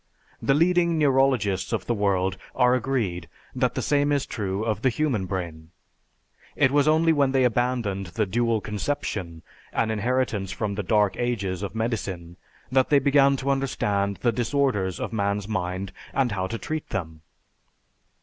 The leading neurologists of the world are agreed that the same is true of the human brain. It was only when they abandoned the dual conception an inheritance from the dark ages of medicine that they began to understand the disorders of man's mind and how to treat them.